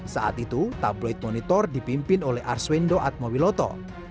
saat itu tabloid monitor dipimpin oleh arswendo atmawiloto